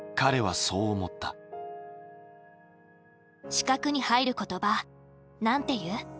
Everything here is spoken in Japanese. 四角に入る言葉なんて言う？